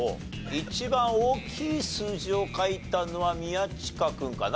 一番大きい数字を書いたのは宮近君かな？